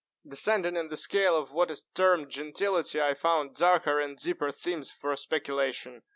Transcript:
Descending in the scale of what is termed gentility, I found darker and deeper themes for speculation.